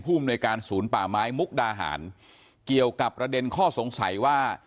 อำนวยการศูนย์ป่าไม้มุกดาหารเกี่ยวกับประเด็นข้อสงสัยว่า